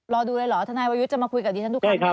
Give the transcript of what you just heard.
อ๋อรอดูเลยเหรอทวจะมาพูดกับดีชันทุกครั้งใช่ไหม